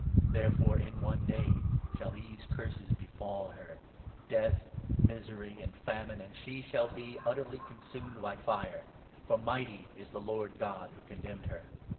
Therefore in one day shall these Curses befall 8 her — death, misery, and famine, and she shall be utterly con sumed by fire ; for mighty is the Lord God who condemned her.